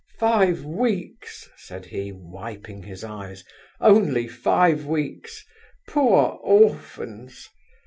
"Five weeks!" said he, wiping his eyes. "Only five weeks! Poor orphans!"